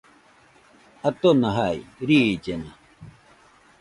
Atona jai, riillena